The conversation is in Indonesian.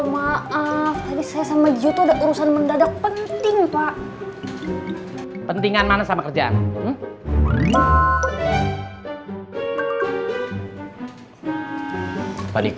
maaf tadi saya sama juto udah urusan mendadak penting pak pentingan mana sama kerjaan